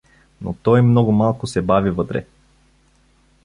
Но той много малко се бави вътре.